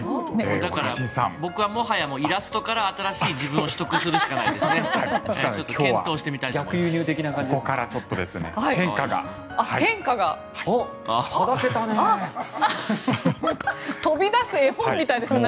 だから、僕はもはやイラストから新しい自分を取得するしかないですね。